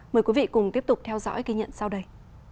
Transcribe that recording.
mời quý vị cùng tiếp tục theo dõi kỳ nhận sau đây